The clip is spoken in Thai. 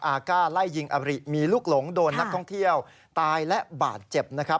อากาศไล่ยิงอบริมีลูกหลงโดนนักท่องเที่ยวตายและบาดเจ็บนะครับ